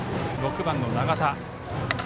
６番の長田。